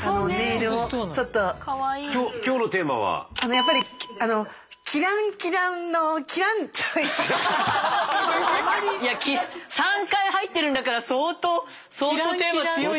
やっぱり３回入ってるんだから相当相当テーマ強いでしょう。